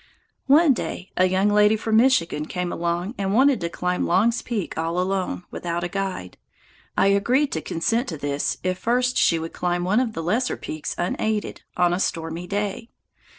One day a young lady from Michigan came along and wanted to climb Long's Peak all alone, without a guide. I agreed to consent to this if first she would climb one of the lesser peaks unaided, on a stormy day.